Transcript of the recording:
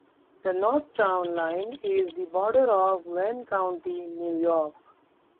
The north town line is the border of Wayne County, New York.